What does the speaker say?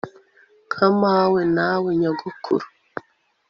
nka mawe nawe nyogokuru